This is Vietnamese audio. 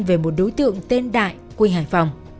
về một đối tượng tên đại quy hải phòng